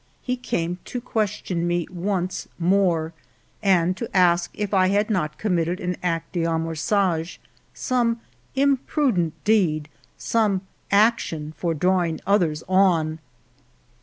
He came to question me once more, and to ask if I had not committed an acte d'amor(^age^ some imprudent deed, some action for drawing others on.